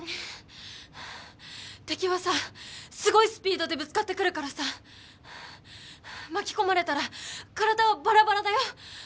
敵はさすごいスピードでぶつかってくるからさ巻き込まれたら体はばらばらだよ。